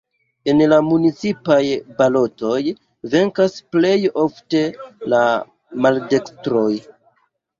En la municipaj balotoj venkas plej ofte la maldekstro.